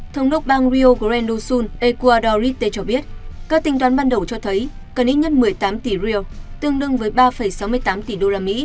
thống đốc băng rio grande do sul ecuadorite cho biết các tình toán ban đầu cho thấy cần ít nhất một mươi tám tỷ rio tương đương với ba sáu mươi tám tỷ usd